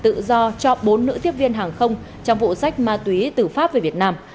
tự do cho bốn nữ tiếp viên hàng không trong vụ sách ma túy từ pháp về việt nam